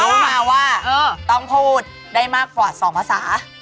รู้มาว่าต้องพูดได้มากกว่า๒ภาษา